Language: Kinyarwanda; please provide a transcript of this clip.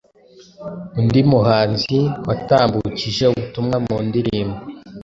Undi muhanzi watambukije ubutumwa mu ndirimbo